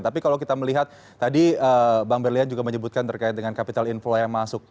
tapi kalau kita melihat tadi bang berlian juga menyebutkan terkait dengan capital inflow yang masuk